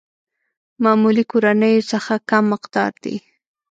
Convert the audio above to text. معمولي کورنيو څخه کم مقدار دي.